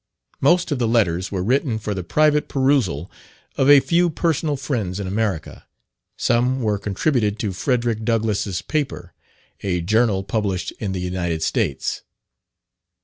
Most of the letters were written for the private perusal of a few personal friends in America; some were contributed to "Frederick Douglass's paper," a journal published in the United States.